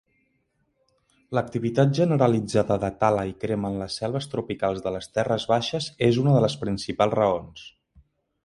L'activitat generalitzada de tala i crema en les selves tropicals de les terres baixes és una de les principals raons.